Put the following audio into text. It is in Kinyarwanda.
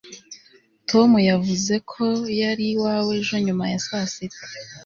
tom yavuze ko yari iwawe ejo nyuma ya saa sita